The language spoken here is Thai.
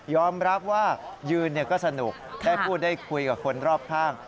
รับว่ายืนก็สนุกได้พูดได้คุยกับคนรอบข้าง